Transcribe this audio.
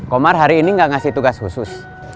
komar hari ini gak ngasih tugas khusus